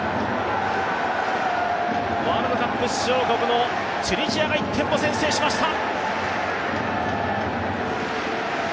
ワールドカップ出場国のチュニジアが１点を先制しました。